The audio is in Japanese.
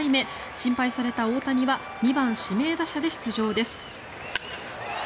心配された大谷は２番指名打者で出場です。